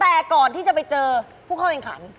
แต่ก่อนที่จะไปเจอผู้เข้าแข่งขัน